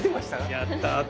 やった！